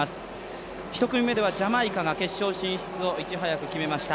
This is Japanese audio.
１組目ではジャマイカが決勝進出をいち早く決めました。